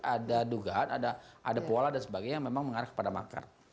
ada dugaan ada pola dan sebagainya yang memang mengarah kepada makar